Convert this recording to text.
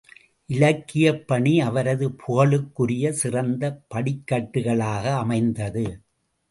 இலக்கியப் பணி அவரது புகழுக்குரிய சிறந்த படிக்கட்டுகளாக அமைந்தது!